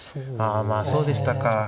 あまあそうでしたか。